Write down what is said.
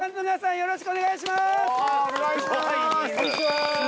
よろしくお願いします。